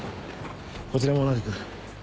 こちらも同じく。